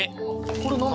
これ何だ？